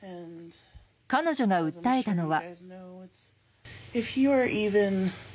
彼女が訴えたのは。